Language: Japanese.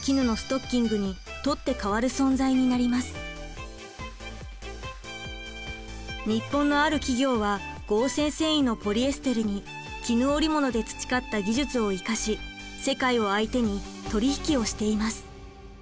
それまでの日本のある企業は合成繊維のポリエステルに絹織物で培った技術を生かし世界を相手に取り引きをしています。